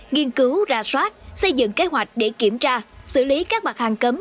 nghiên cứu ra soát xây dựng kế hoạch để kiểm tra xử lý các mặt hàng cấm